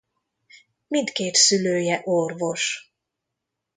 Mindkét szülője orvos.